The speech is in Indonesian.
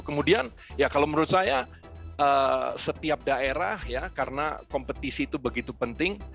kemudian ya kalau menurut saya setiap daerah ya karena kompetisi itu begitu penting